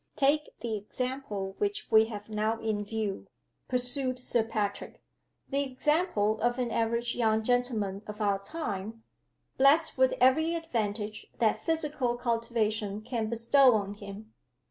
"Take the example which we have now in view," pursued Sir Patrick "the example of an average young gentleman of our time, blest with every advantage that physical cultivation can bestow on him.